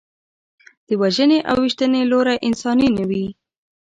د وژنې او ویشتنې لوری انساني نه و.